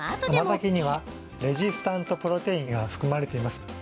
甘酒にはレジスタントプロテインが含まれています。